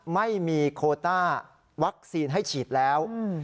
ไม่มีโคต้าวัคซีนให้ฉีดแล้ว